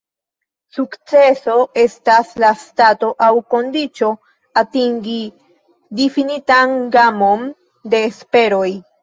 Sukceso estas la stato aŭ kondiĉo atingi difinitan gamon de esperoj.